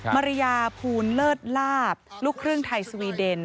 มาริยาภูลเลิศลาบลูกครึ่งไทยสวีเดน